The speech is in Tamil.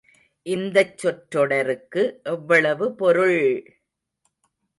இந்தச் சொற்றொடருக்கு எவ்வளவு பொருள்!